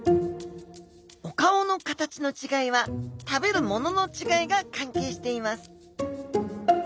お顔の形の違いは食べるものの違いが関係しています